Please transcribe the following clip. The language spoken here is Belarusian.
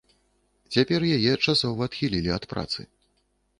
Цяпер яе часова адхілі ад працы.